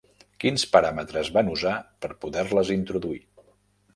Quins paràmetres van usar per poder-les introduir?